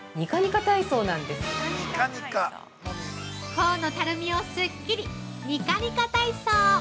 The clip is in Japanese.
◆頬のたるみをすっきりニカニカ体操。